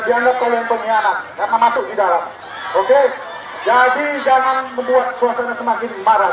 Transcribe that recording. dianggap oleh penyianat yang masuk di dalam oke jadi jangan membuat suasana semakin marah